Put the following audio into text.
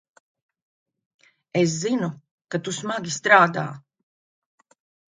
Es zinu, ka tu smagi strādā.